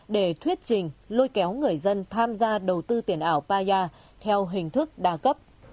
để thuyết trình lôi kéo người dân tham gia đầu tư tiền ảo paya theo hình thức đa cấp